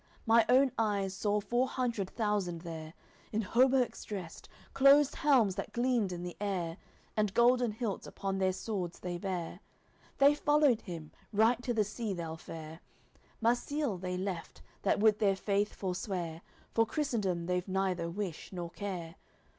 My own eyes saw four hundred thousand there, In hauberks dressed, closed helms that gleamed in the air, And golden hilts upon their swords they bare. They followed him, right to the sea they'll fare; Marsile they left, that would their faith forswear, For Christendom they've neither wish nor care.